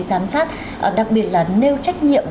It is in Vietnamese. giám sát đặc biệt là nêu trách nhiệm